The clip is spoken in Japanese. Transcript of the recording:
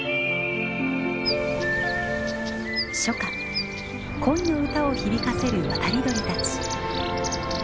初夏恋の歌を響かせる渡り鳥たち。